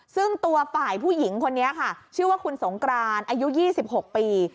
ซึ่งตัวฝ่ายผู้หญิงคนนี้ค่ะชื่อว่าคุณสงกรานอายุ๒๖ปี